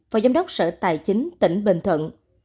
phó giám đốc sở tài chính tỉnh bình thuận